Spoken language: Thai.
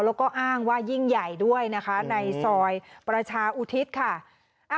แล้วก็อ้างว่ายิ่งใหญ่ด้วยนะคะในซอยประชาอุทิศค่ะ